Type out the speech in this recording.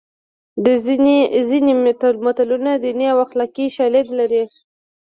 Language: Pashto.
ځینې متلونه دیني او اخلاقي شالید لري